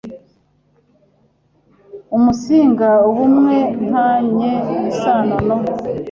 umunsinga ubumwe tanye isano no